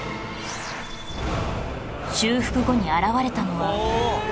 修復後に現れたのは